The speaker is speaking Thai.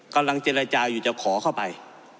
กำลังเจรจาอยู่จะขอเข้าไป